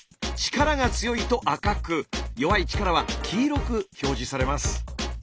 力が強いと赤く弱い力は黄色く表示されます。